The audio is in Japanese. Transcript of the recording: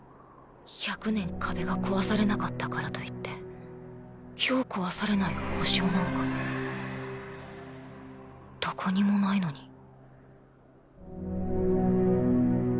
１００年壁が壊されなかったからといって今日壊されない保証なんかどこにもないのに。